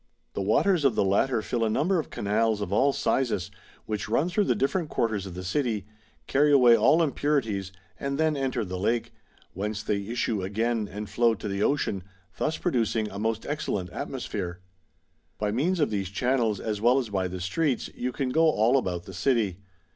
The waters of the latter fill a number of canals of all sizes which run through the difiercnt quarters of the city, carry away all impurities, and then enter the Lake; whence they issue again and flow to the Ocean, thus producing a most excellent atmo sphere. By means of these channels, as well as by the streets, you can go all about the city.